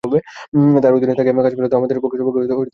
তাঁহার অধীনে থাকিয়া কাজ করা তো আমাদের পক্ষে সৌভাগ্য ও গৌরবের বিষয়।